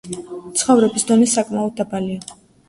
ცხოვრების დონე საკმაოდ დაბალია.